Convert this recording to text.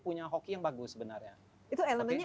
punya hoki yang bagus sebenarnya itu endemiknya